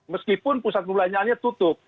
meskipun pusat perbelanjaannya tutup